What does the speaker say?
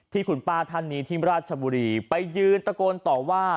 ที่คุณป้าท่านนี้ที่ราชบุรีไปยืนตะโกนต่อว่า